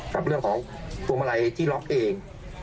กับเรื่องของพวงมาลัยที่ล็อกเอง